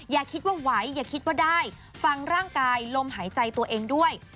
อย่าคิดว่าไหวอย่าคิดว่าได้ฟังร่างกายลมหายใจตัวเองด้วย